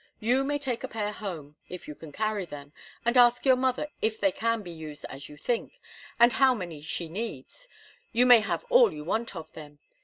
You may take a pair home if you can carry them and ask your mother if they can be used as you think, and how many she needs you may have all you want of them.